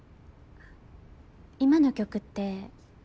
今の曲って